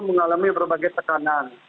mengalami berbagai tekanan